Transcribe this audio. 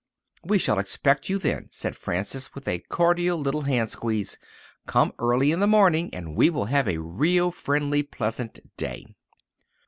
"We shall expect you then," said Frances, with a cordial little hand squeeze. "Come early in the morning, and we will have a real friendly, pleasant day."